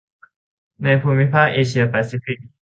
ในภูมิภาคเอเชียแปซิฟิก